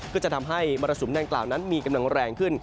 ก็จะทำให้มรสุมดังกล่าวนั้นมีกำลังแรงขึ้น